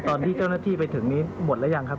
ตอนที่เจ้าหน้าที่ไปถึงนี้หมดหรือยังครับ